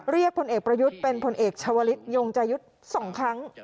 เรียกผลเอกประยุทธเป็นผลเอกชวริตยงจายุทธ๒ครั้ง